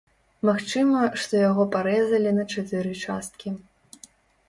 Магчыма, што яго парэзалі на чатыры часткі.